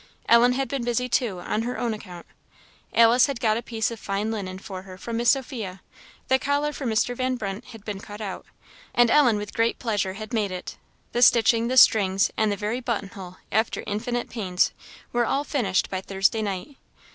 Ellen had been busy, too, on her own account. Alice had got a piece of fine linen for her from Miss Sophia; the collar for Mr. Van Brunt had been cut out, and Ellen with great pleasure had made it. The stitching, the strings, and the very buttonhole, after infinite pains, were all finished by Thursday night.